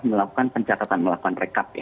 melakukan pencatatan melakukan rekap